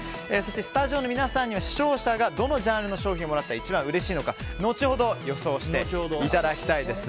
スタジオの皆さんには視聴者がどのジャンルの商品をもらったら一番うれしいのか後ほど予想してください。